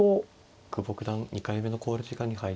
久保九段２回目の考慮時間に入りました。